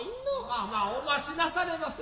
まあまあお待ちなされませ。